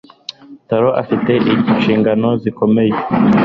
Taro afite inshingano zikomeye.